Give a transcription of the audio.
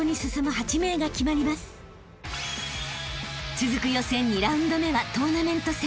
［続く予選２ラウンド目はトーナメント戦］